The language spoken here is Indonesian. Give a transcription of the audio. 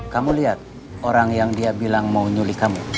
kamu liat orang yang dia bilang mau nyulik kamu